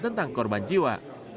tentang korban jiwa